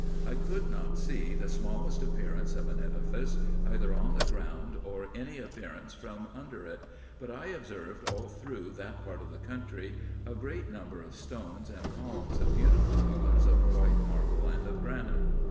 I coidd not see the smallest appearance of an edifice, either on the ground, or any appearance from under it ; but I observed all through that part of the country a great number of stones and columns of beautiful colours, of white marble and of granite.